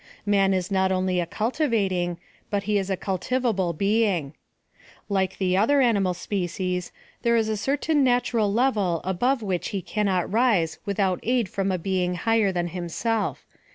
Man is not only a cultivating, but he is a culti vable being. Like the other animal species, there is a certain natural level above which he cannot rise without aid from a Being higher than himself.